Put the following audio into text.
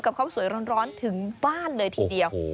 ข้าวสวยร้อนถึงบ้านเลยทีเดียว